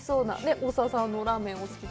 大沢さんもラーメンがお好きと。